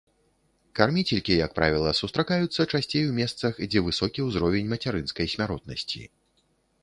Карміцелькі, як правіла, сустракаюцца часцей у месцах, дзе высокі ўзровень мацярынскай смяротнасці.